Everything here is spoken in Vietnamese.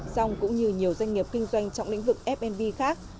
song cũng như nhiều doanh nghiệp kinh doanh trong lĩnh vực fnb khác